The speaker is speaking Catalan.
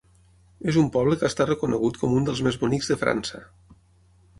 És un poble que està reconegut com un dels més bonics de França.